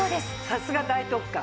さすが大特価。